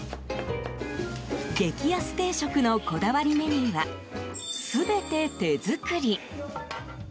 激安定食のこだわりメニューは全て手作り。